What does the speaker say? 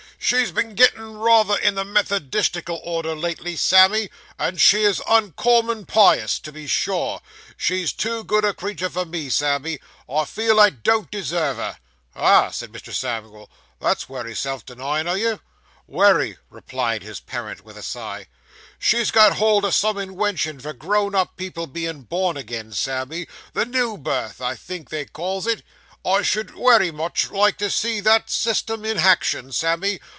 'She's been gettin' rayther in the Methodistical order lately, Sammy; and she is uncommon pious, to be sure. She's too good a creetur for me, Sammy. I feel I don't deserve her.' 'Ah,' said Mr. Samuel. 'that's wery self denyin' o' you.' 'Wery,' replied his parent, with a sigh. 'She's got hold o' some inwention for grown up people being born again, Sammy the new birth, I think they calls it. I should wery much like to see that system in haction, Sammy.